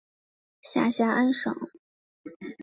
下辖安省。